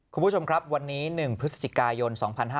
คุณผู้ชมครับวันนี้๑พฤศจิกายน๒๕๕๙